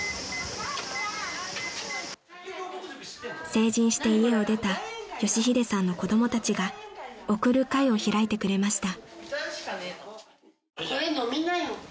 ［成人して家を出た佳秀さんの子供たちが送る会を開いてくれました］